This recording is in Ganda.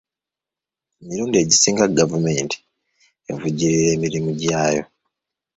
Emirundi egisinga gavumenti evujjirira emirimu gyayo.